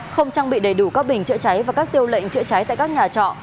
không trang bị đầy đủ các bình chữa cháy và các tiêu lệnh chữa cháy tại các nhà trọ